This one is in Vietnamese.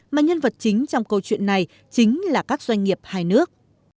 mà nhân vật chính trong câu chuyện này chính là các doanh nghiệp hai nước